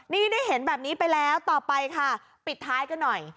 นี่ได้เห็นแบบนี้ไปแล้วต่อไปค่ะปิดท้ายกันหน่อย